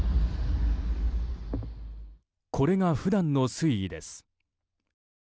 これが普段の水位です。